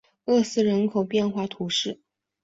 厄斯人口变化图示